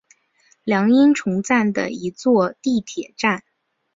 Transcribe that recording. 凉荫丛站的一座地铁站。